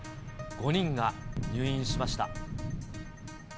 ５人が入院しました。